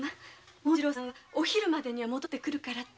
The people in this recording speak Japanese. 紋次郎さんはお昼までには戻ってくるからって。